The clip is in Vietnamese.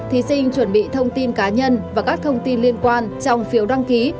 thí sinh chuẩn bị thông tin cá nhân và các thông tin liên quan trong phiếu đăng ký